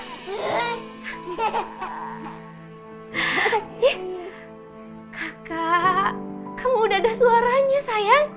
hehehe kamu udah ada suaranya sayang